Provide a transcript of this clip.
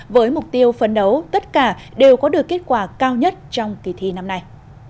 với mục tiêu phấn đấu tất cả đều có được kết quả cao nhất trong kỳ thi năm nay